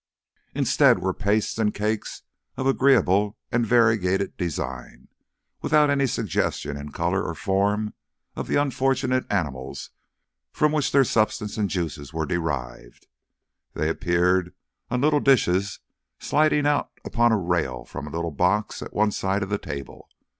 Instead were pastes and cakes of agreeable and variegated design, without any suggestion in colour or form of the unfortunate animals from which their substance and juices were derived. They appeared on little dishes sliding out upon a rail from a little box at one side of the table.